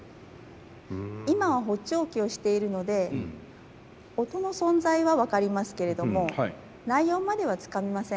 今は補聴器をしているので音の存在は分かりますけれども内容まではつかめません。